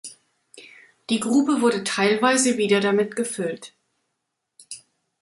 Die Grube wurde teilweise wieder damit gefüllt.